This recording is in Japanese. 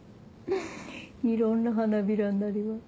いろんな花びらになる。